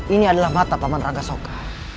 ini adalah mata paman ranggasoka